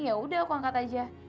yaudah aku angkat aja